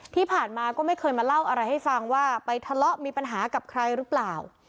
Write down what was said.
ที่ผ่านมาก็ไม่เคยมาเล่าอะไรให้ฟังว่าไปทะเลาะมีปัญหากับใครหรือเปล่า